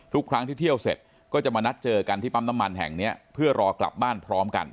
ทุกครั้งที่เที่ยวเสร็จก็จะมานัดเจอกันที่ปั๊มน้ำมันแห่งนี้เพื่อรอกลับบ้านพร้อมกัน